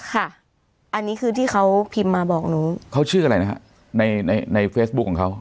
ค่ะอันนี้คือที่เขาพิมพ์มาบอกหนูเขาชื่ออะไรนะฮะในในเฟซบุ๊คของเขา